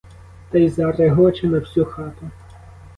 Та й зарегоче на всю хату.